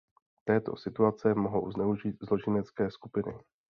Této situace mohou zneužít zločinecké skupiny.